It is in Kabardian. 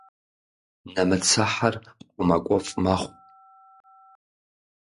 Нэмыцэхьэр хъумакӏуэфӏ мэхъу.